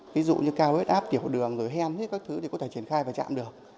ví dụ như cao hết áp tiểu đường hem các thứ thì có thể triển khai và chạm được